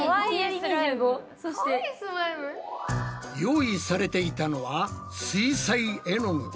用意されていたのは水彩絵の具。